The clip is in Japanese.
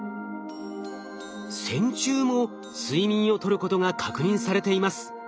線虫も睡眠をとることが確認されています。